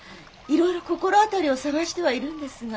いろいろ心当たりを捜してはいるんですが。